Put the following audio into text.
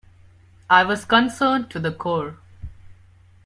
I was concerned to the core.